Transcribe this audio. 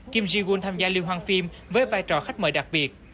kim jae woon tham gia liên hoan phim với vai trò khách mời đặc biệt